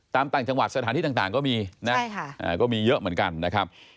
ต่างจังหวัดสถานที่ต่างก็มีนะก็มีเยอะเหมือนกันนะครับ